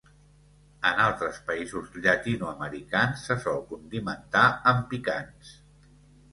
En altres països llatinoamericans se sol condimentar amb picants.